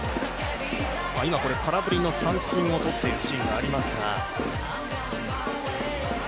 今、空振りの三振をとっているシーンがありますが。